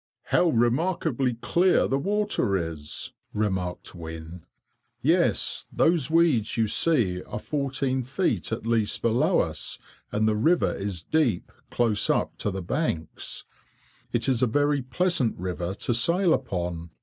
"How remarkably clear the water is!" remarked Wynne. "Yes, those weeds you see are 14 feet at least below us, and the river is deep close up to the banks. It is a very pleasant river to sail upon."